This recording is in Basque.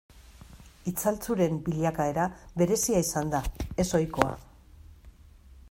Itzaltzuren bilakaera berezia izan da, ez ohikoa.